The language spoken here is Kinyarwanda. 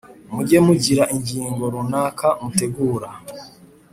mujye mugira ingingo runaka mutegura